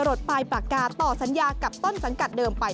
ดปลายปากกาต่อสัญญากับต้นสังกัดเดิมไป